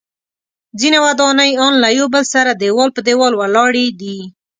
ځینې ودانۍ ان له یو بل سره دیوال په دیوال ولاړې دي.